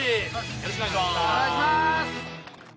よろしくお願いします。